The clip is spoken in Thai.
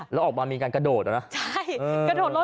แล้วออกมามีการกระโดดเหรอนะใช่เออ